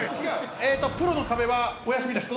プロの壁はお休みです。